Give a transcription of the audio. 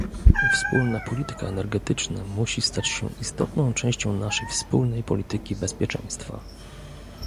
Wspólna polityka energetyczna musi stać się istotną częścią naszej wspólnej polityki bezpieczeństwa